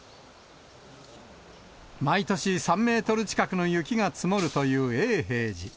毎年、３メートル近くの雪が積もるという永平寺。